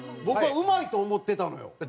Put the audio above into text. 僕はうまいと思ってたのよ。